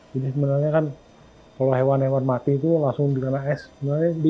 jadi sebenarnya kalau hewan hewan mati itu langsung dikenakan es